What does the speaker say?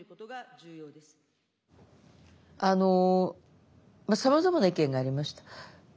あのさまざまな意見がありました。